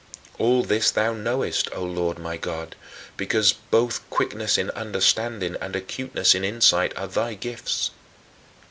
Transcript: All this thou knowest, O Lord my God, because both quickness in understanding and acuteness in insight are thy gifts.